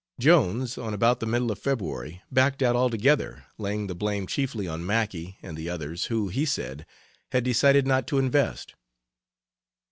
Jones, on about the middle of February, backed out altogether, laying the blame chiefly on Mackay and the others, who, he said, had decided not to invest.